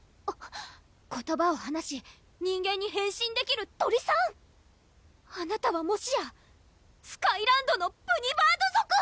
言葉を話し人間に変身できる鳥さんあなたはもしやスカイランドのプニバード族？